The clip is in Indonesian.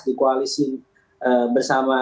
di koalisi bersama